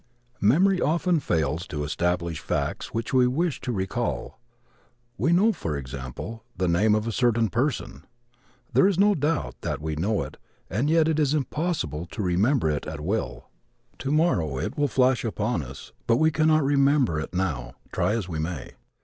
Memory often fails to establish facts which we wish to recall. We know, for example, the name of a certain person. There is no doubt that we know it and yet it is impossible to remember it at will. Tomorrow it will flash upon us, but we cannot remember it now, try as we may.